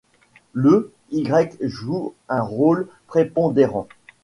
Le y joue un rôle prépondérant.